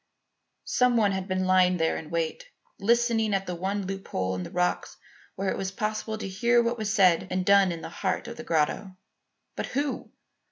Some one had been lying there in wait, listening at the one loophole in the rocks where it was possible to hear what was said and done in the heart of the grotto. But who?